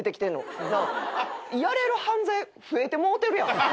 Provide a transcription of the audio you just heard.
やれる犯罪増えてもうてるやん。